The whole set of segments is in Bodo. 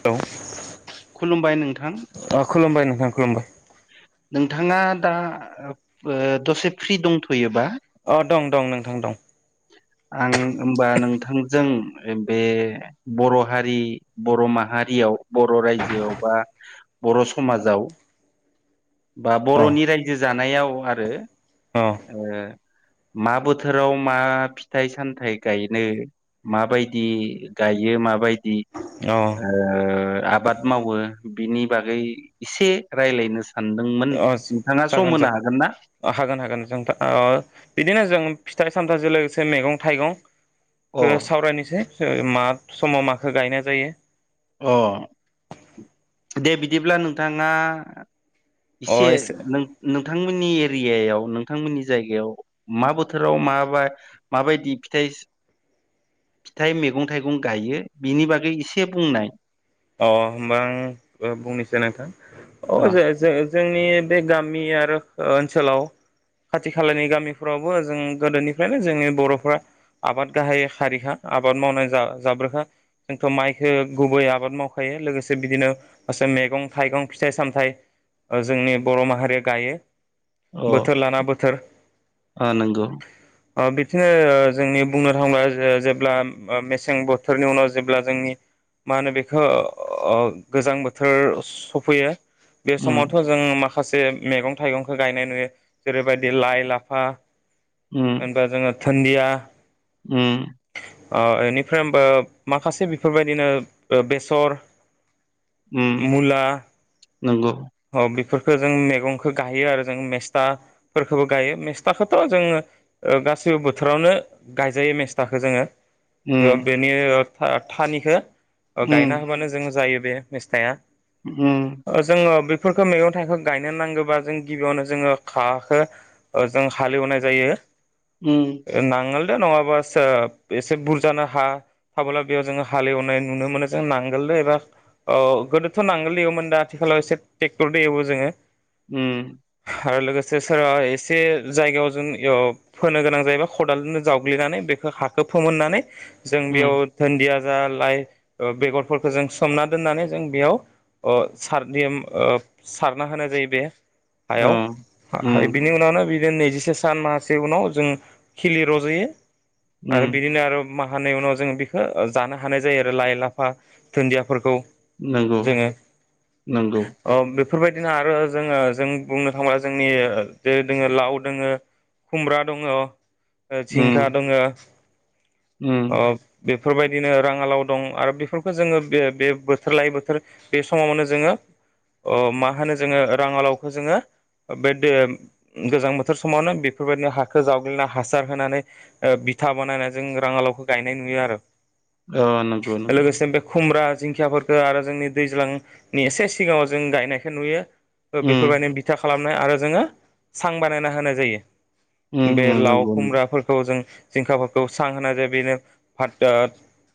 हेलौ खुलुमबाय नोंथां अ खुलुमबाय नोंथां खुलुमबाय नोंथाङा दा ओ दसे फ्रि दंथ'यो? अ दं दं [unintelligible] नोंथां दं आं होमबा नोंथां थांजों बे बर' हारि बर' माहारियाव बर' रायजोआव बा बा बर' समाजाव बा औ बर'नि रायजो जानायाव आरो औ ओ मा बोथोराव मा फिथाइ सामथाइ गायनो माबायदि गायो माबायदि औ ओ आबाद मावो बिनि बागै एसे रायलायनो सो अ जागोन ना जागोन हागोन हागोन जों ओ बिदिनो जों फि फिथाइ सामथाइजों लोगोसे मेगं अ थाइगंखो सावरायनोसै ओ मा समाव माखो गायनाय जायो अ दे बिदिब्ला नोंथाङा अ इसे एसे नों नों नोंथांमोननि एरियायाव नोंथांमोननि जायगायाव मा बोथोराव माबा माबायदि फिथाइ फिथाइ मेगं थाइगं गायो बिनि बागै एसे बुंनाय अ होमबा आं बुंनोसै नोंथां अ [unintelligible] जोंनि बे गामि आरो ओनसोलाव खाथि खालानि गामिफोरावबो जों गोदोनिफ्रायनो जोंनि बर'फोरा आबाद गाहाय हारिखा आबाद मावना जा जाग्राखा जोंथ' माइखो गुबै आबाद आबाद मावखायो लोगोसे बिदिनो [unintelligible] मेगं थाइगं फिथाइ सामथाइ जोंनि बर' माहारिया गायो अ बोथोर लाना बोथोर अ नंगौ ओ बिदिनो जोंनि बुंनो थाङोबा जेब्ला मेसें बोथोरनि उनाव जेब्ला जोंनि मानोबे ओ गोजां बोथोर सफैयो बे उम समावथ' जों मा माखासे मेगं थाइगंखौ गायनाय नुयो जेरैबायदि लाइ लाफा उम जेनबा जोङो थोन्दिया उम अ एनिफ्राय ओमबो माखासे बिफोरबायदिनो बेसर उम मुला नंगौ बेफोर जों मैगंखौ गायो आरो जों मेस्थाफोरखौबो गायो मेस्थाखौथ' जों ओ सैबो बोथोरावनो गायजायो मेस्थाखौ जोङो उम बेनि थानिखौ ओ उम गायना होबानो जों जायो बे मिस्थाया उम [inaudible] बेफोरखौ मैगं थाइखौ गायनो नांगौबा जों गिबियावनो जोङो हाखौ जों हालेवनाय जायो उम ओ नांगोल दा नङाबा एसे बुरजानो हा थाबोला बेयाव जोङो हाल एवनायनि नुनो मोनो जों नांगोलनो एबा गोदोथ' नांगोल दंवोमोन दा आथिखालाव सो ट्रेक्टरजों एबो जोङो ओम आरो लोगोसे सोरबा एसे जायगायाव जों फोनो गोनां जायोबा खदालजोंनो जावग्लिनानै बे हाखौ फोमोननानै जों बेयाव उम दोनदिया जा लाइ बेगरफोरखौ जों सोमना दोननानै जों बेयाव ओ सार नियम सारना होनाय जायो बेहाय अ हायाव उम बिनि उनावनो बि बिदिनो नैजिसे सान माहासे उनाव जों खिलि रज'यो आरो उम बिदिनो आरो माहानै उनाव जोङो बेखौ जानो हानाय जायो आरो लाइ लाफा दुुनदियाफोरखौ नंगौ नंगौ ओ बेफोरबायदिनो आरो जोङो जों बुंनो थांङोब्ला जोंनि जे दोङो लाव दोङो खुमब्रा दङ ओ जिंखा उम दङ उम ओ बेफोरबायदिनो राङालाव दं आरो बेफोरखौ जोङो बे बे बोथोर लायै बोथोर बे समावनो जोङो अ मा होनो जोङो राङालावखौ जोङो ओ बे गोजां बोथोर समावनो बेफोरबायदिनो हाखौ जावग्लिना हासार होनानै ओ बिथा बानायनानै जों राङालावखौ गायनाय नुयो आरो अ नंगौ नंगौ लोगोसे बे खुमब्रा दिंखियाफोरखौ आरो जोंनि दैज्लांनि एसे सिगाङाव जों गायनायखौ नुयो उम बेफोरबायदिनो बिथा खालामनाय आरो जोङो सां बानायना होनाय जायो उम बे उम लाव नंगौ खुमब्राफोरखौ जों जिंखाफोरखौ सां होनाय जायो बेनो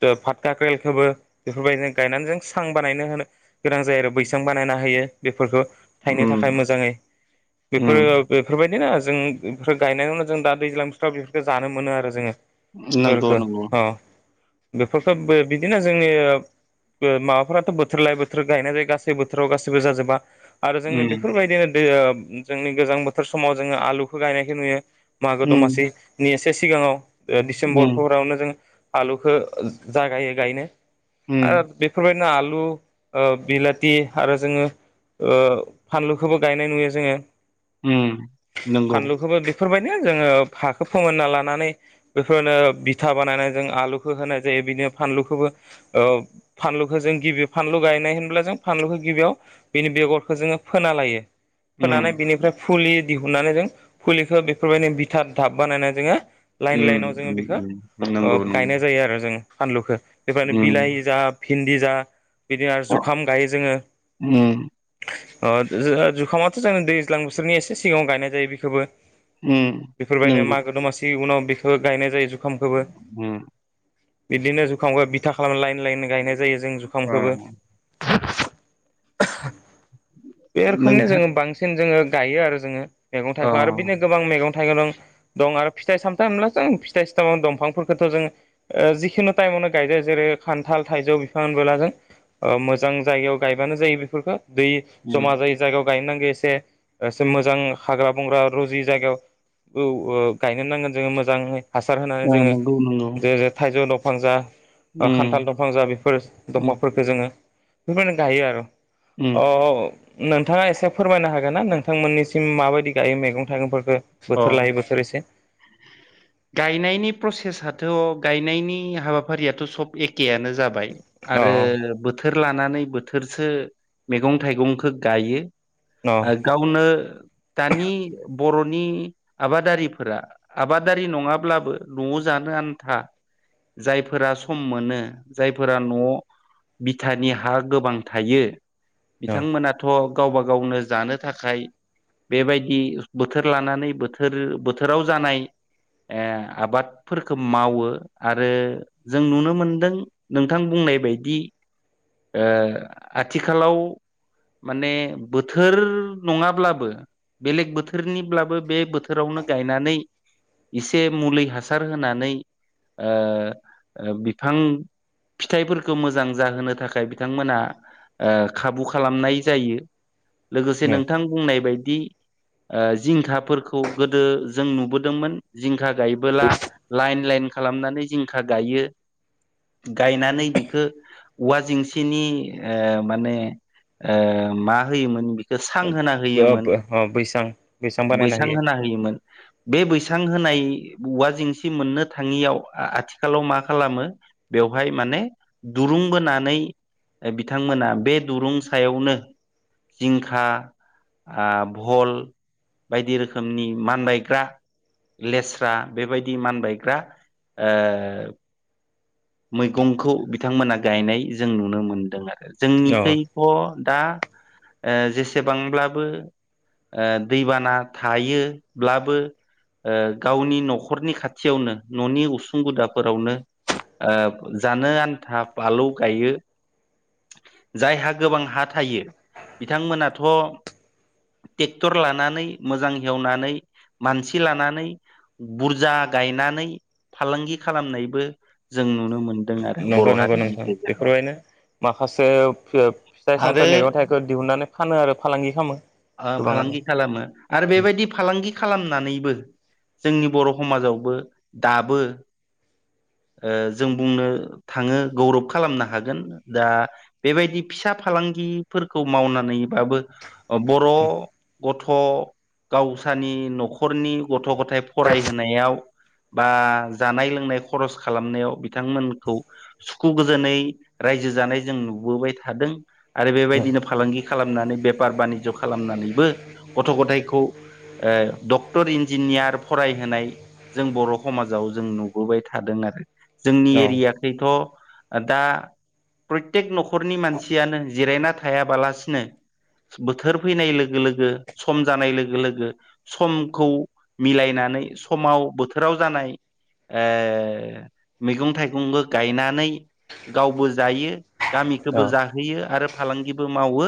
[unintelligible] फाता क्रेलखौबो बेफोरबायदि गायनानै जों सां बानायनो होनो गोनां जायो आरो बैसां बानायना होयो बेफोरखौ थायनो उम थाखाय मोजाङै बेफोरो उम बेफोरबायदि जों बेफोर गायनायावनो जों दा दैज्लां बेफ्राव बेफोरफोरखौ जानो मोनो आरो जोङो नंगौ बेफोरखौ नंगौ अ बेफोरखौ बिदिनो जोंनि माबाफोराथ' बोथोर लायै बोथोर गायनाय जायो गासै बोथोराव गासैबो जाजोबा आरो जोंनि उम बेफोरबायदिनो दै जोंनि गोजां बोथोर समाव जोङो आलुखौ गायनायखौ नुयो मागो उम दमासिनि एसे सिगाङाव ओ डिसेम्बर उम फोरावनो जों आलुखौ जागायो गायनो उम आ बेफोरबायदि [unintelligible] आलु ओ बिलाथि आरो जोङो ओ फानलुखौबो गायनाय नुयो जोङो उम नंगौ फानलुखौबो बेफोरबायदिनो जोङो हाखौ फोमोनना लानानै बेफोरनो बिथा बानायनाय जों आलुखौ होनाय जायो बिदिनो फानलुखौबो ओ फानलुखौ जों गिबि फानलु गायनाय होनब्ला जों फानलुखौ गिबियाव बिनि बेगरखौ जोङो फोना लायो फोनानै उम बिनिफ्राय फुलि दिहुननानै जों फुलिखौ बेफोरबायदि बिथार दाब बानायनानै जोङो लाइन उम लाइनाव जोङो उम बेखौ उम ओ नंगौ गायनाय नंगौ जायो आरो जोङो फानलुखौ बेबादिनो उम बिलाहि जा भिन्दि जा बिदिनो आरो जुखाम गायो जोङो उम ओ जुखामाथ' जोंनि दैज्लां बोथोरनि एसे सिगाङाव गायनाय जायो बेखौबो उम [inaudible] बेफोरबायदिनो नंगौ मागो दमासि उनाव बेखौ गायनाय जायो जु ओम इदिनो जुखामखो बिथा खालाम लइन लाइन गायनाय जायो जों ओ जुखामखोबो बे रोखोमनि नोंथां जोङो बांसिन जोङो गायो आरो जोङो मेगं अ थाइगखो आरो बिदिनो गोबां थाइगं दं आरो फिथाइ सामथाइ दंफांफोरखोथ जों ओ जि खुनुताइमावनो गायदो जेरै खान्थाल थाइजौ होनबोला जों ओ मोजां जायगायाव गायबानो जायो बेफोरखो दै उम जमा जायि जायगायाव गायनांगो एसे एसे मोजां हाग्रा बंग्रा रजि जायगायाव औ ओ गायनो नांगोन जोङो मोजाङै हासार होनानै ओ जोङो नंगौ नंगौ जेरै थाइजौ दंफां जा ओ खान्थाल उम दंफां जा बेफोर उम दंफांफोरखौ जोङो [unintelligible] गायो आर' उम अ नोंथाङा एसे फोरमायनो हागोन ना नोंथांमोननिसिम माबायदि गायो मैगं थाइगंफोर [unintelligible] बोथोर अ लायै बोथोर एसे गायनायनि प्रसेसआथ' गायनायनि हाबाफारियाथ' सब ए केआनो जाबाय अ आरो बोथो र लानानै बोथोरसो मैगं थाइगंखो गायो। अ ओ गावनो दानि बर'नि आबादारिफोरा आबादारि नङाब्लाबो न'आव जानो आन्था जायफोरा सम मोनो जायफोरा न' बिथानि हा गोबां थायो अ बिथांमोनाथ' गावबा गावनो जानो थाखाय बेबायदि बोथोर लानानै बोथोर बोथोराव जानाय ओ आबादफोरखौ मावो आरो जों नुनो मोनदों नोंथां बुं नाय बायदि ओ आथिखालाव माने बोथोर नङाब्लाबो बेलेग बोथोरनिब्लाबो बे बोथोरावनो गायनानै इसे मुलि हासार होनानै ओ ओ बिफां फिथाइफोरखौ मोजां जाहोनो थाखाय बिथांमोना ओ खाबु खालामनाय जायो लोगोसे नोंथां बुंनाय बायदि ओ जिंखाफोरखौ गोदो जों नुबो दोंमोन जिंखा गायबोला लाइन लाइन खालामनानै जिंखा गायो। गायनानै बिखो औवा जेंसिनि ओ माने ओ मा होयोमोन बि सां होना होयोमोन अ अ बैसां बानायना बैसां होयो होना होयोमोन। बे बैसां होनाय औवा जेंसि मोननो थाङियाव आथिखालाव मा खालामो बे हाय माने दुरुं बोनानै ओ बिथांमोना बे दुरुं सायावनो जिंखा ओ भल बायदि रोखोमनि मानबायग्रा लेस्रा बेबायदि मानबायग्रा ओ मैगंखौ बिथांमोना गायनाय जों नुनो मोनदों आरो अ जोंनिखैथ' दा ओ जेसेबांब्लाबो ओ दैबाना थायोब्लाबो ओ गावनि न'खरनि खाथियावनो न'नि उसुं गुदाफोरावनो ओ जानो आन्था बालौ गायो जायहा गोबां हा थायो बिथांमोनाथ' टेक्टर लानानै मोजां हेवनानै मानसि लानानै बुरजा गायनानै फालांगि खालामनायबो जों नुनो मोनो। नंगौ नंगौ नंथां बेफोरबायनो माखासे फि फिथाइ आरो सामथाइ मैगं थाइगंखौ दिहुनन्नानै फानो आरो फालांगि खामो। फालांगि खालामो आरो बेबायदि फालांगि खालामनानै जोंनि बर' हमाजावबो दाबो ओ जों बुंनो थाङो गौरब खालामनो हागोन दा बेबायदि फिसा फालांगि फोरखौ मावनानैबाबो बर' गथ' गावसानि न'खरनि गथ' ग थाय फरायहोनायाव बा जानाय लोंनाय खरस खालामनायाव बिथांमोनखौ सुखु गोजोनै रायजो जानाय जों नुबोबाय थादों आरो बेबायदिनो फालांगि खालामनानै बेफार बानि खालामनानैबो गथ' गथायखौ ओ डक्टर इन्जिनियार फरायहोनाय जों बर' हमाजाव जों नुबोबाय थादों आरो जोंनि औ एरियाखैथ' दा प्रयटिक न'खरनि मानसियानो जिरायना थायाबालासिनो बोथोर फैनाय लोगो लोगो सम जानाय लोगो लोगो समखौ मिलायनानै सम माव बोथोराव जानाय ओ मैगं थाइगंबो गायनानै गावबो जायो। गामिखोबो जाहोयो आरो फालांगिबो मावो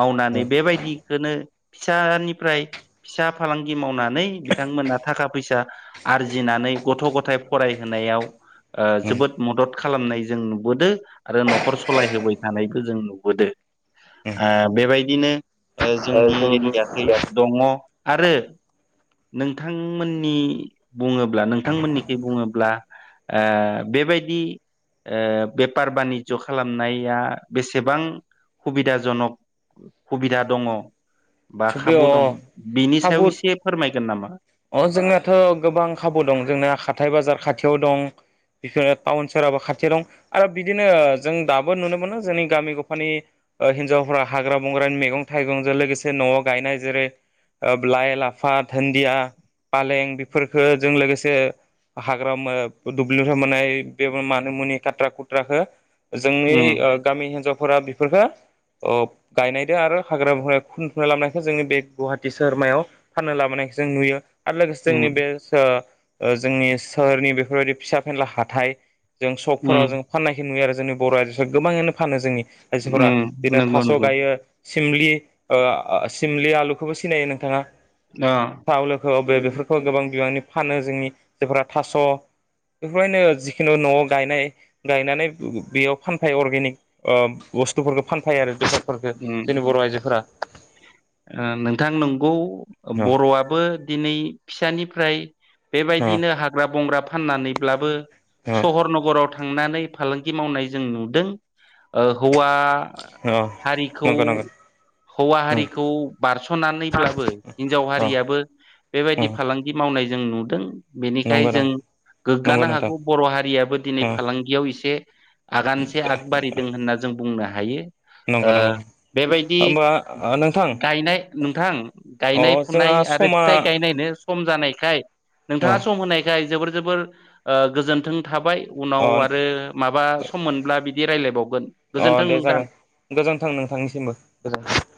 मावनानै बेबायदिखौनो फिसानिफ्राय फिसा फालांगि मावनानै बिथांमोना थाखा फैसा आरजिनानै गथ' गथाय फरायहोनायाव ओ जोबोद मदद खालामनाय जों नुबोदों आरो न'खर सालायहोबाय थानायखौ जों नुबोदों। औ ओ बेबायदिनो जोंनि एरियाथिं दङ आरो नोंथांमोननि बुङोब्ला नोंथांमोननिखि बुङोब्ला ओ बेबायदि ओ बेफार बानिज्य खालामनाया बेसेबां हुबिदाजनक हुबिदा दङ बा थिग बे खाबु दं अ बेनि सायाव खाबु एसे फोरमायगोन नामा? अ जोंनाथ' गोबां खाबु दं जोंना हाथाय बाजार खाथियाव दं। बिफोरो टाउन सहोराबो खाथियाव दं आरो बिदिनो जों दाबो नुनो मोनो जोंनि गामि गफानि हिन्जावफ्रा हाग्रा बंग्रानि मैगं थाइगंजों लोगोसे न'आव गायनाय जेरै लाइ लाफा धोन्दिया फालें बेफोरफोरखो जों लोगोसे हाग्रा दुब्लिनिफ्राय मोन्नाय बे मानो मुनि खाथ्रा खुथ्राखौ जोंनि उम गामि हिनजावफोरा बेफोरफोरखौ अ गायनायदों आरो हाग्रा बंग्रा खनथुमनानै लाबोनायखौ जोंनि बे गुवाहाटि सहोरमायाव फाननो लाबोनाय जों नुयो। आरो लोगोसे उम जोंनि बे जोंनि सोहोरनि बेफोरबायदि फिसा फेनला हाथाय जों उम सकफोराव जों फाननायखौ नुयो आरो जोंनि बर' आजोफ्रा गोबाङैनो फानो जोंनि मानसिफोरा उम बिदिनो नंगौ थास' नंगौ गायो सिमलि ओ सिमलि आलुखौबो सिनायो नोंथाङा। ओ थावलोखौ बेफोरखौ गोबां बिबांनि फानो जोंनि जायफोरा थास' बेफोरबायदिनो जिखुनु न'आव गायनाय गायनानै बेयाव फानफायो अर्गेनिक ओ बुस्थुफोरखौ फानफैयो आरो बेसादफोरखो उम जोंनि बर' आइजोफोरा। नोंथां नंगौ अ बर'आबो दिनै फिसानिफ्राय अ बेबायदिनो हाग्रा बंग्रा फाननानैब्लाबो अ सहर नगराव थांनानै फालांगि मावनाय जों नुदों हौवा अ हारिखौ नंगौ नंगौ हौवा उम हारि खौ बारस'नानैब्लाबो हिनजाव अ हारियाबो बेबायदि उम फालांगि मावनाय जों नुदों बेनिखाय नंगौ जों नंगौ नंगौ गोग्गानो नोंथां हागौ बर' हारियाबो दिनै उम फालांगियाव एसे आगानसे आग बारिदों होनना जों बुंनो हायो। नंगौ ओ नंगौ बेबायदि होमबा नोंथां गायनाय नोंथां अ गायनाय जोंहा फुनाय आरो समा फिथाइ गायनायनो सम जानायखाय अ नोंथाङा सम होनायखाय जोबोर जोबोर ओ गोजोन्थों थाबाय। अ उनाव आरो माबा सम मोनब्ला बिदि रायलायबावगोन अ गोजोन्थों दे नोंथां। जागोन गोजोन्थों नोंथांनिसिमबो गोजोनथों।